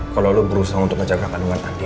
kalau lo berusaha untuk menjaga kandungan tadi